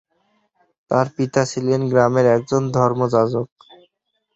তার পিতা ছিলেন গ্রামের একজন ধর্ম যাজক।